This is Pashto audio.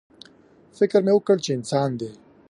_فکر مې وکړ چې انسان دی.